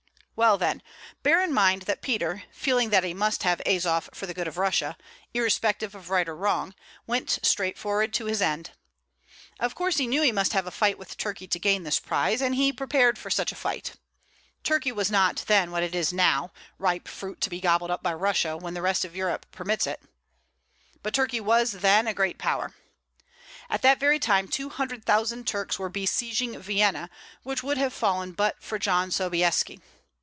Well, then, bear in mind that Peter, feeling that he must have Azof for the good of Russia, irrespective of right or wrong, went straight forward to his end. Of course he knew he must have a fight with Turkey to gain this prize, and he prepared for such a fight. Turkey was not then what it is now, ripe fruit to be gobbled up by Russia when the rest of Europe permits it; but Turkey then was a great power. At that very time two hundred thousand Turks were besieging Vienna, which would have fallen but for John Sobieski.